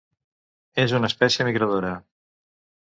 És una espècie migradora.